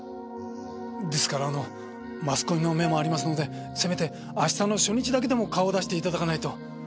ですからあのマスコミの目もありますのでせめて明日の初日だけでも顔を出していただかないと。